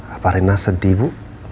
apa rena sedih bu